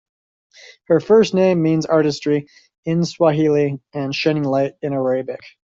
Her first name means "artistry" in Swahili and "shining light" in Arabic.